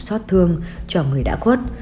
xót thương cho người đã khuất